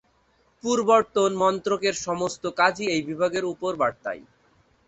পূর্বতন মন্ত্রকের সমস্ত কাজই এই বিভাগের উপর বর্তায়।